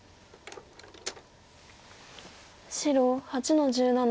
白８の十七ノビ。